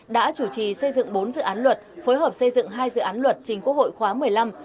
đã chủ trì xây dựng bốn dự án luật phối hợp xây dựng hai dự án luật trình quốc hội khóa một mươi năm